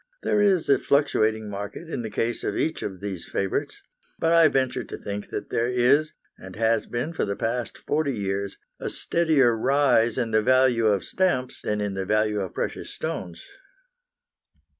There is a fluctuating market in the case of each of these favourites, but I venture to think that there is, and has been for the past forty years, a steadier rise in the value of stamps than in the value of precious stones.